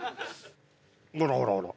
ほらほらほら。